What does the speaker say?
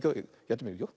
やってみるよ。